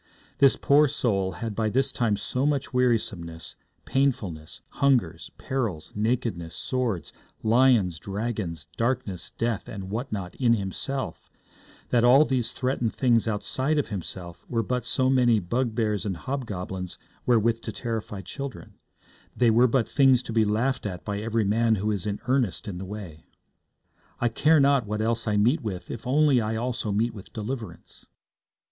This poor soul had by this time so much wearisomeness, painfulness, hunger, perils, nakedness, sword, lions, dragons, darkness, death, and what not in himself, that all these threatened things outside of himself were but so many bugbears and hobgoblins wherewith to terrify children; they were but things to be laughed at by every man who is in ernest in the way. 'I care not what else I meet with if only I also meet with deliverance.'